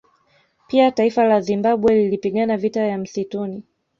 Pia taifa la Zimbabwe lilipigana vita ya Msituni